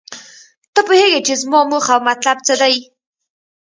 ته پوهیږې چې زما موخه او مطلب څه دی